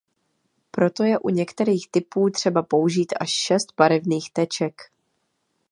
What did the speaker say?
Proto je u některých typů třeba použít až šest barevných teček.